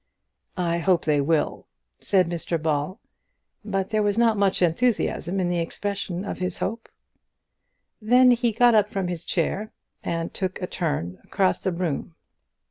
"I hope they will," said Mr Ball; but there was not much enthusiasm in the expression of this hope. Then he got up from his chair, and took a turn across the room.